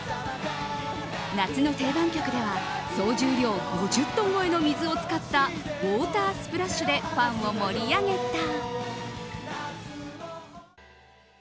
夏の定番曲では総重量５０トン超えの水を使ったウォータースプラッシュでファンを盛り上げた。